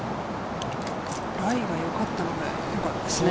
ライがよかったので、よかったですね。